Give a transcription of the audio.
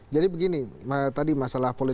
jadi begini tadi masalah politik